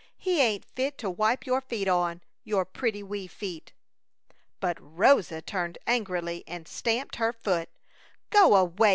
He ain't fit to wipe your feet on your pretty wee feet!" But Rosa turned angrily and stamped her foot. "Go away!